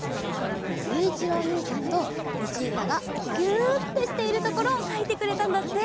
ゆういちろうおにいさんとルチータがぎゅーってしているところをかいてくれたんだって！